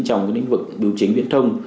trong cái lĩnh vực biểu chính viễn thông